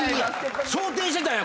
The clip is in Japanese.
想定してたんや！